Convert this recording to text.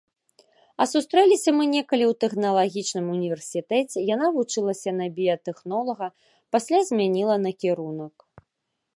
А сустрэліся мы некалі ў тэхналагічным універсітэце, яна вучылася на біятэхнолага, пасля змяніла накірунак.